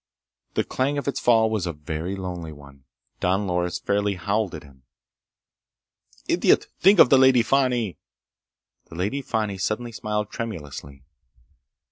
The clang of its fall was a very lonely one. Don Loris fairly howled at him. "Idiot! Think of the Lady Fani!" The Lady Fani suddenly smiled tremulously.